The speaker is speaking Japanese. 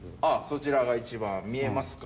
そちらが一番見えますか？